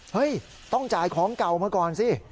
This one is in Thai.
ต้องจ่ายของเก่ามาก่อนสิ